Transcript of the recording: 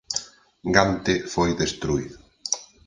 Gante foi destruído.